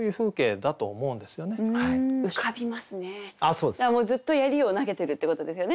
だからずっと槍を投げてるっていうことですよね。